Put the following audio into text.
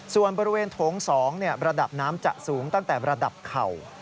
ส่วนบริเวณโถง๒ระดับน้ำจะสูงตั้งแต่ระดับเข่า